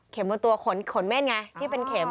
บนตัวขนเม่นไงที่เป็นเข็ม